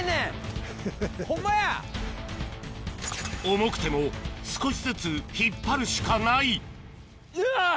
重くても少しずつ引っ張るしかないうわ！